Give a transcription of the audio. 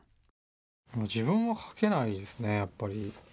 自分は書けないですねやっぱり。